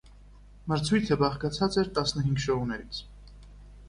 Մրցույթը բաղկացած էր տասնհինգ շոուներից։